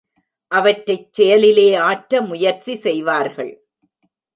அவற்றைச் செயலிலே ஆற்ற முயற்சி செய்வார்கள்.